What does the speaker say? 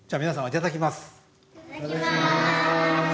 いただきます。